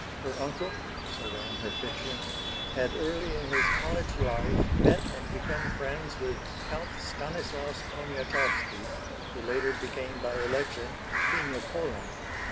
Her uncle so ran her fiction had early in his college life met and become friends with Count Stanislaus Poniatowski who later became by election King of Poland.